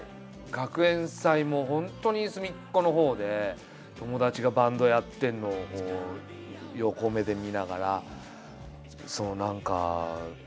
学園祭も本当に隅っこのほうで友達がバンドやってるのを横目で見ながら何かかっこいいな！